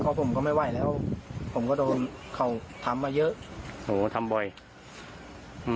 เพราะผมก็ไม่ไหวแล้วผมก็โดนเขาทำมาเยอะโหทำบ่อยอืม